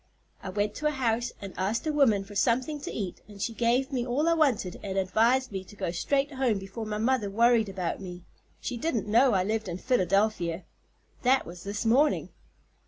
I went to a house and asked a woman for something to eat and she gave me all I wanted and advised me to go straight home before my mother worried about me. She didn't know I lived in Philadelphia. That was this morning."